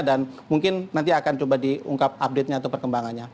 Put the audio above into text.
dan mungkin nanti akan coba diungkap update nya atau perkembangannya